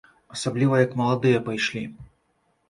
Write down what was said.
Асабліва як маладыя пайшлі.